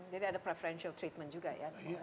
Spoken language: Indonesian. jadi ada preferential treatment juga ya